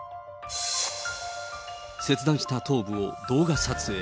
切断した頭部を動画撮影。